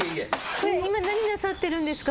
これ今何なさってるんですか？